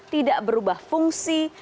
tidak berubah fungsi